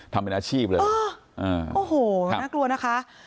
ทำเป็นอาชีพเลยโอ้โหน่ากลัวนะคะ